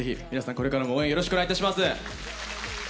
これからも応援よろしくお願いいたします。